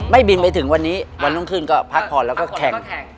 บินไปถึงวันนี้วันรุ่งขึ้นก็พักผ่อนแล้วก็แข่ง